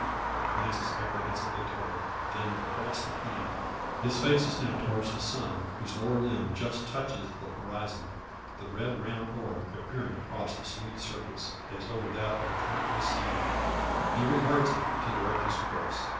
He glances apprehensively towards it, then across the plain. His face is now towards the sun, whose lower limb just touches the horizon, the red round orb appearing across the smooth surface, as over that of a tranquil sea. He regards it, to direct his course.